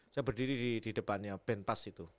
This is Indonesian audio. saya berdiri di depannya band pass itu